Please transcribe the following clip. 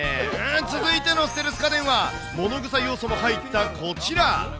続いてのステルス家電はものぐさ要素が入ったこちら。